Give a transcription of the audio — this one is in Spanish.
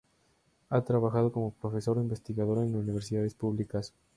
Ha trabajado como profesor o investigador en universidades públicas.